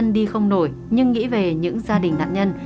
đi không nổi nhưng nghĩ về những gia đình nạn nhân